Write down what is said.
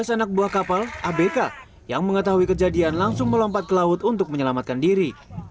tiga belas anak buah kapal abk yang mengetahui kejadian langsung melompat ke laut untuk menyelamatkan diri